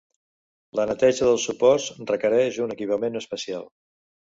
La neteja dels suports requereix un equipament especial.